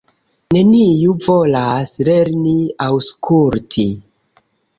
Neniu volas lerni aŭskulti.